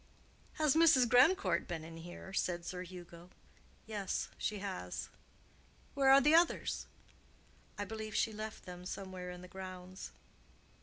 "Has Mrs. Grandcourt been in here?" said Sir Hugo. "Yes, she has." "Where are the others?" "I believe she left them somewhere in the grounds."